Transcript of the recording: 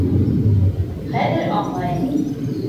Хәҙер аңлайым.